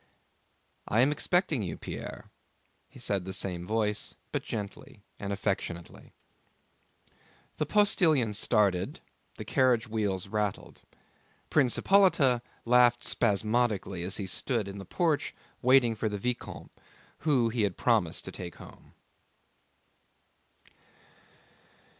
"I am expecting you, Pierre," said the same voice, but gently and affectionately. The postilion started, the carriage wheels rattled. Prince Hippolyte laughed spasmodically as he stood in the porch waiting for the vicomte whom he had promised to take home.